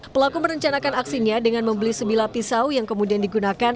pelaku merencanakan aksinya dengan membeli sebilah pisau yang kemudian digunakan